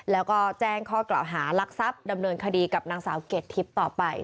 แล้วก็แจ้งข้อกล่าวหารักทรัพย์ดำเนินคดีกับนางสาวเกรดทิพย์ต่อไป